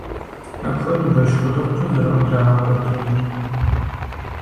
Апхуэдэурэщ къулыкъукӀэ зэрыдрагъэкӀуэтейр.